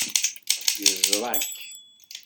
Yeẓra-k.